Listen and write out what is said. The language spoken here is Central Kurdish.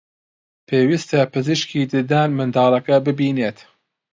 پێویستە پزیشکی ددان منداڵەکە ببینێت